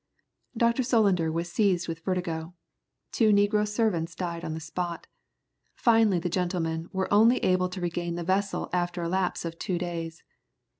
Dr. Solander was seized with vertigo, two negro servants died on the spot, finally the gentlemen were only able to regain the vessel after a lapse of two days.